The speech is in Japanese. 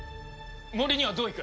森にはどう行く？